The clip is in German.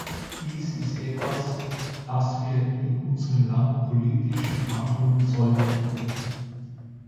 Dies ist etwas, dass wir in unserem Land politisch behandeln sollten.